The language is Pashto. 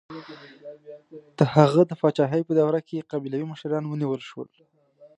د هغه د پاچاهۍ په دوره کې قبیلوي مشران ونیول شول.